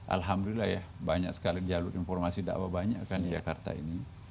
alhamdulillah ya banyak sekali jalur informasi dakwah banyak kan di jakarta ini